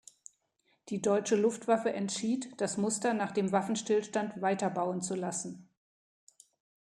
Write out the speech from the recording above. Die deutsche Luftwaffe entschied, das Muster nach dem Waffenstillstand weiterbauen zu lassen.